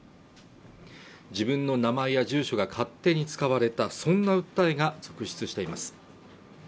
自分の名前や住所が勝手に使われたそんな訴えが続出しています。